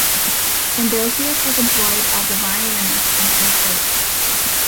Ambrosius was employed as a violinist in Erfurt.